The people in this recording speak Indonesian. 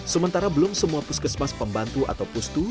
sementara belum semua puskesmas pembantu atau pustu